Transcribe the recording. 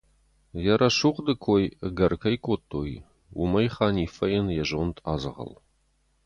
Йӕ рӕсугъды кой ӕгӕр кӕй кодтой, уымӕй Ханиффӕйӕн йӕ зонд адзӕгъӕл.